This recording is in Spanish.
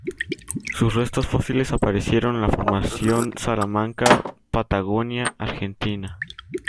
Sus restos fósiles aparecieron en la Formación Salamanca, Patagonia, Argentina.